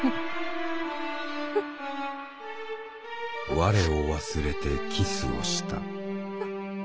「我を忘れてキスをした。